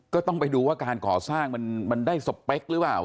ก็ต้องไปดูว่าการก่อสร้างมันได้สเปคหรือเปล่า